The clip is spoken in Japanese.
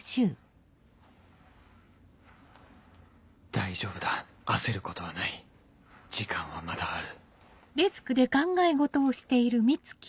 大丈夫だ焦ることはない時間はまだある